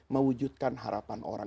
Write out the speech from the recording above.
mewujudkan harapan orang